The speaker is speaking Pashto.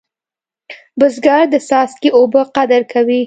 بزګر د څاڅکي اوبه قدر کوي